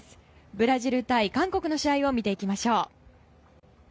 ブラジル対韓国の試合を見ていきましょう。